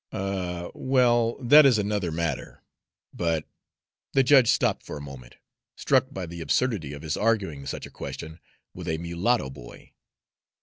"Ah, well, that is another matter; but" The judge stopped for a moment, struck by the absurdity of his arguing such a question with a mulatto boy.